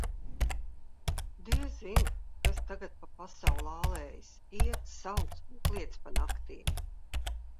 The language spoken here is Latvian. Diezin, kas tagad pa pasauli ālējas: iet, sauc un kliedz pa naktīm.